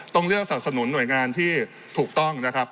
ต้องเลือกสนับสนุนหน่วยงานที่ถูกต้องนะครับ